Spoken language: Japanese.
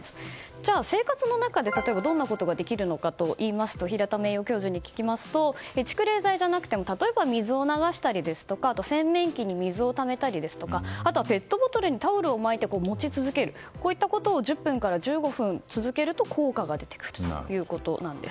じゃあ、生活の中でどんなことができるかといいますと平田名誉教授に聞きますと蓄冷材じゃなくても例えば、水を流したりですとか洗面器に水をためたりあとはペットボトルにタオルを巻いて持ち続けるといったことを１０分から１５分続けると、効果が出てくるということなんです。